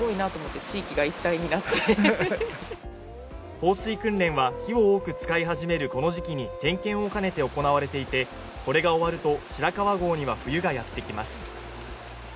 放水訓練は、火を多く使い始めるこの時期に点検を兼ねて行われていて、これが終わると白川郷には冬がやってきます。